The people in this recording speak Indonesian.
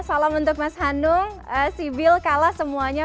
salam untuk mas hanung sibil kalla semuanya